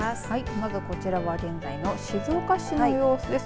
まずこちらは現在の静岡市の様子です。